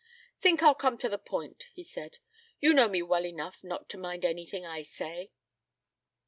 "Think I'll come to the point," he said. "You know me well enough not to mind anything I say."